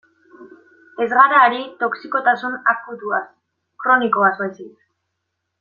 Ez gara ari toxikotasun akutuaz, kronikoaz baizik.